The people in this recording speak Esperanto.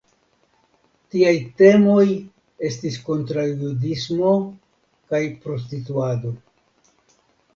Tiaj temoj estis kontraŭjudismo kaj prostituado.